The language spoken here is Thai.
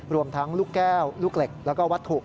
รวมทั้งลูกแก้วลูกเหล็กแล้วก็วัตถุ